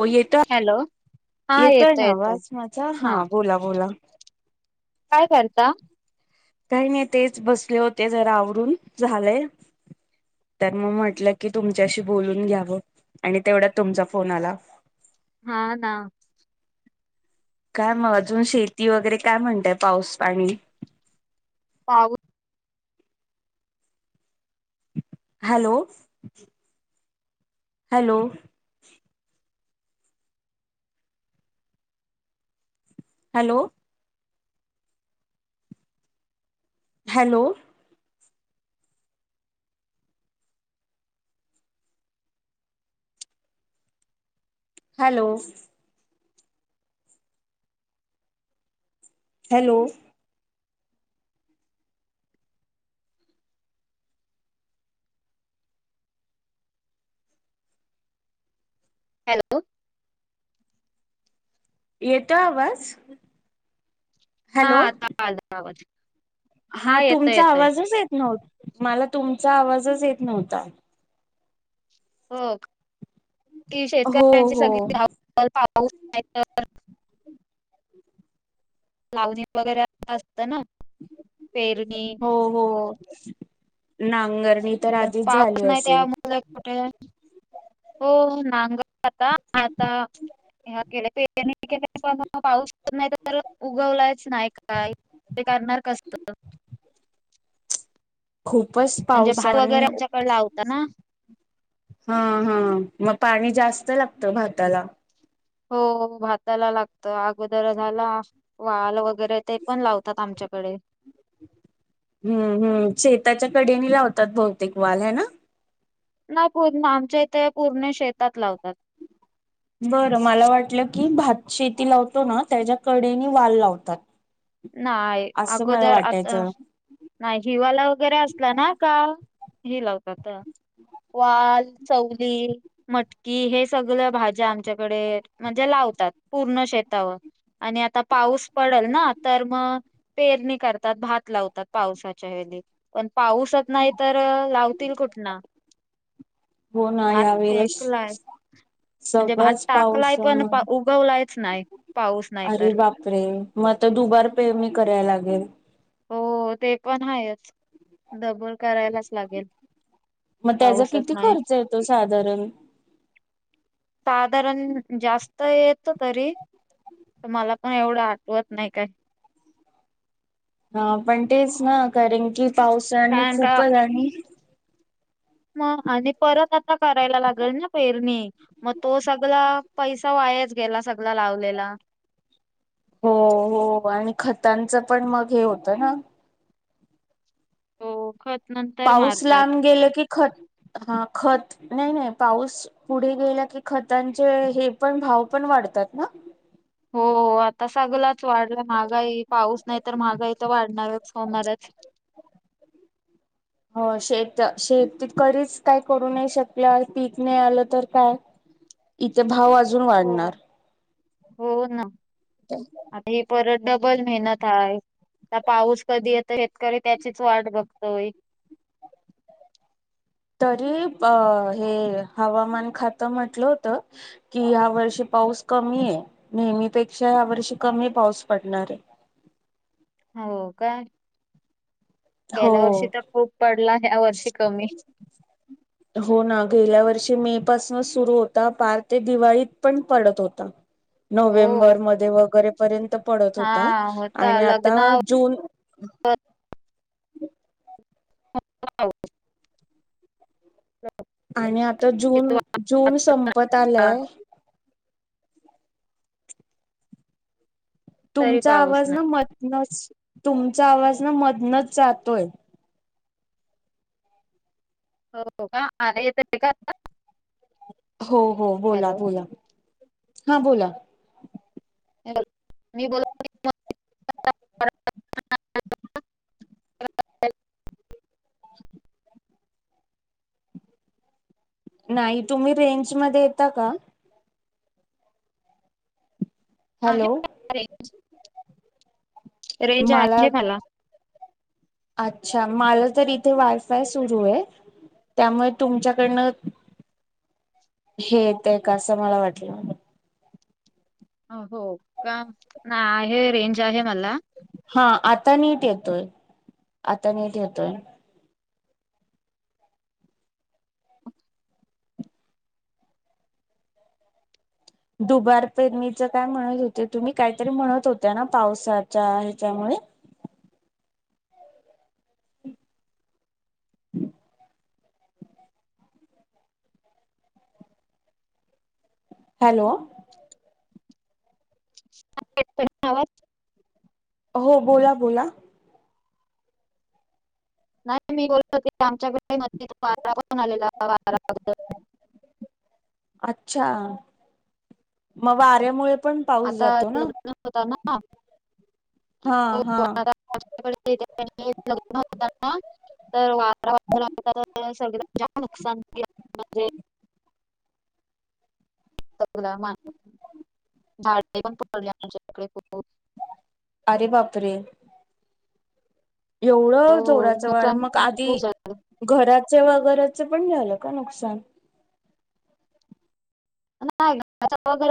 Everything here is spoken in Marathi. हो, येत हॅलो हा येतय येतोय ना येतोय आवाज माझा? हा, बोला बोला.. काय करता? काही नाही तेच बसले होते, जरा आवरून झालंय. तर मग म्हटलं की तुमच्याशी बोलून घ्यावं. आणि तेवढा तुमचा फोन आला. हा ना. काय मग अजून शेती वगैरे काय म्हणतय, पाऊस पाणी पाऊस. Hello! Hello! Hello! Hello! Hello! Hello! Hello! येतो आवाज. हा हॅलो आता आला आवाज. हा येतोय तुमचा येतोय आवाजच येत नव्हता. मला तुमचा आवाजच येत नव्हता. हो ती हो शेतकऱ्यांची हो सगळी धावपळ पाव पाऊसनाही तर लावणी वगैरे अस. त ना पेरणी. नांगर! पण पाऊस नाही त्यामुळे कुठे हो नांगर आता- आता ह केले के पण पाऊस नाही तर उगवलाच नाही काय. ते करणार कसत खूपच म्हणजे भात पावसाने वगैरे आमच्याकडे लावतात ना! हा हा मग पाणी जास्त लागतं भाताला, हो भाताला लागत अगोदरच आता वाल वगैरे ते पण लावतात आमच्या आमच्याकडे. हम हम शेताच्या कडेने लावतात. भौतेक वाल हे ना? नाय पूर्ण आमच्या इथे या पूर्ण शेतात लावतात. बरं मला वाटलं की भात शेती लावतो. ना त्याच्या कडेने वाल लावतात. नाय असं मला अगोदर आता वाटायचं नाही हिवाला वगैरे असला ना का! हे लावतात वाल, चवली, मटकी हे सगळ भाज्या आमच्याकडे म्हणजे लावतात पूर्ण शेतावर आणि आता पाऊस पडल ना तर मग पेरणी करतात. भात लावतात पावसाच्या याने पण पाऊसच नाही तर लावतील कुठनं हो ना भात ह्या वेळेला फेकलाय म्हणजे भात सगळंच टाकलाय पण पावसामुळे पा उगवलायच नाही पाऊस नाही अरे तर बापरे म आता दुबार पेरणी कराय लागेल हो ते पण आहेाच डबल करायलाच लागेल म त्याचा पाऊसच किती नाही खर्च येतो साधारण साधारण जास्त येतो तरी मला पण एवढं आठवत नाही काय हा पण तेच ना कारण की पावसाने कारण खूपच आणि म आणि परत आता करायला लागेल ना पेरणी मग तो सगळा पैसा वायाच वायाच गेला सगळ लावलेला हो हो आणि खतांचं पण मग हे होतं ना हो खत नंतर पाऊस लांब मारतात गेलं की खत हा खत नाही नाही पाऊस पुढे गेला की खतांचे हे पण भाव पण वाढतात वाढतात ना हो आता सगलाच वाढलं महागाई पाऊस नाही तर महागाई तर वाढणारच होनाराच हो शेत शेतकरीच काय करू नाही शकला आणि पीक नाही आलं तर काय इथे भाव अजून हो वाढणार हो ना आता ही परत डबल मेहनत हाय आता पाऊस कधी येतोय शेतकरी त्याचीच वाट बघतोय तरी अ हे हवामान खातं म्हटलं होतं की ह्या वर्षी पाऊस पास कमी आहे नेहमी पेक्षा ह्या वर्षी कमी पाऊस पडणार आहे हो का गेल्या वर्षी हो तर खूप पडला ह्या वर्षी कमी हो ना गेल्या वर्षी मे मे पासंन सुरू होता पार ते दिवाळीत पण पडत होता नोव्हेंबर हो मध्ये वगैरे पर्यंत पडत हा होता आणि आता जून ब [inaudible] ह [inaudible] आणि आता जून जून संपत आलाय तरी तुमचा पाऊस आवाज ना नाही. मधनच माधनच तुमचा आवाज ना मधनच जातोय हो का आता येतोय का आता हो हो बोला बोला हा बोला मी बोलते [inaudible] ह [inaudible] [inaudible] नाही तुम्ही रेंज मध्ये येता का आहे हॅलो का? रेंज रेंज मला आहे खाला अच्छा मालं तर इथे वायफाय सुरू हे त्यामुळे तुमच्याकडनं हे ते का असं मला वाटलं हं हो का ना आहे रेंज आहे मला हा आता नीट येतोय, आता नीट येतोय दुबार पेरणीचं काय म्हणत होते तुम्ही काहीतरी म्हणत होत्या ना पावसाच्या ह्याच्यामुळे [inaudible] हॅलो आ ये तो ये न आवाज हो बोला, बोला नाही मी बोलत होती आमच्याकड म वारावरून आलेला वारा द अच्छा म वाऱ्यामुळे पण पाऊस आता जातो ना लग्न होता ना [inaudible] हा हा तर वार वाद ळ आ ल त्याच सग च्या नुकसान केलं म्हणजे गुला मा झाडे पण पडले आमच्या इकडे खुप अरे बाप रे! हो एवढं जोराचं वार नुकसान मग आधी खूप झालं. घरात च वगरचं पण झालं का नुकसान नाही ना त्याचा वगैरे